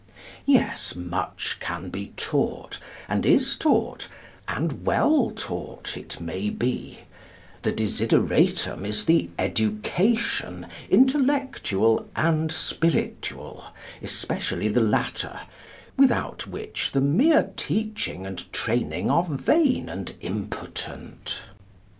Yes, much can be taught, and is taught, and well taught, it may be; the desideratum is the education, intellectual and spiritual, especially the latter, without which the mere teaching and training are vain and impotent.